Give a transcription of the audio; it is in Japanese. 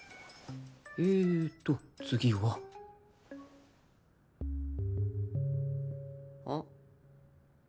えっと次はんあっ？